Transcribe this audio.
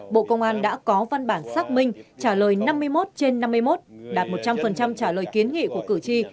bộ công an đã có văn bản xác minh trả lời năm mươi một trên năm mươi một đạt một trăm linh trả lời kiến nghị của cử tri